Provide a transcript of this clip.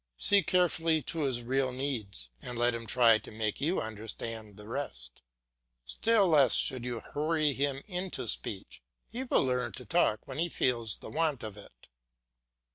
See carefully to his real needs, and let him try to make you understand the rest. Still less should you hurry him into speech; he will learn to talk when he feels the want of it.